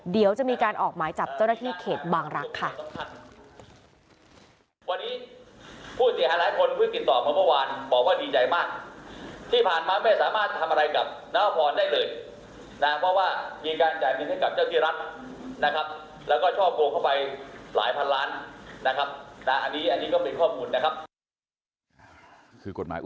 เดี๋ยวจะมีการออกหมายจับเจ้าหน้าที่เขตบางรักษ์ค่ะ